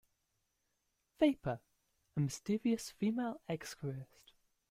Vapor- a mysterious female excorist.